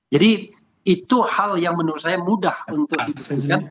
jadi itu hal yang menurut saya mudah untuk diperhatikan